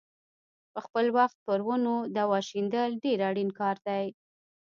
په خپل وخت پر ونو دوا شیندل ډېر اړین کار دی.